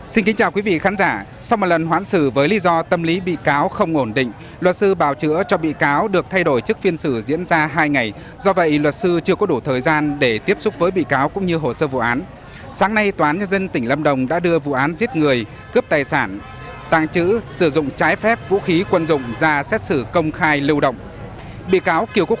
xin kính chào quý vị khán giả